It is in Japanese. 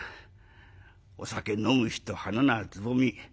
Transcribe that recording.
『お酒飲む人花ならつぼみ